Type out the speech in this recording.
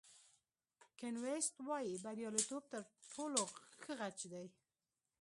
کین ویست وایي بریالیتوب تر ټولو ښه غچ دی.